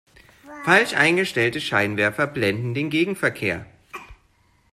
Falsch eingestellte Scheinwerfer blenden den Gegenverkehr.